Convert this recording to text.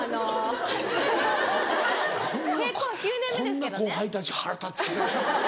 こんなこんな後輩たち腹立ってきた。